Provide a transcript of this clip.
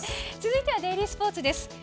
続いてはデイリースポーツです。